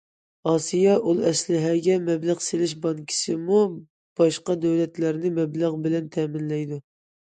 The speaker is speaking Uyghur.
ئاسىيا ئۇل ئەسلىھەگە مەبلەغ سېلىش بانكىسىمۇ باشقا دۆلەتلەرنى مەبلەغ بىلەن تەمىنلەيدۇ.